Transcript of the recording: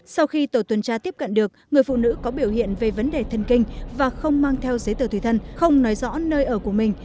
sau khi tổ tuần tra tiếp cận được người phụ nữ có biểu hiện về vấn đề thân kinh và không mang theo giấy tờ thùy thân không nói rõ nơi ở của mình